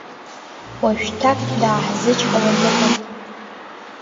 Уажәшьҭак дааҳзычҳауа дыҟам.